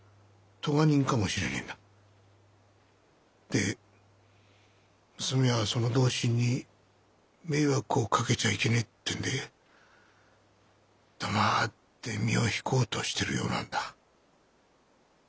で娘はその同心に迷惑をかけちゃいけねえってんで黙って身を引こうとしてるようなんだ。